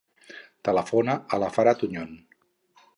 Telefona a la Farah Tuñon.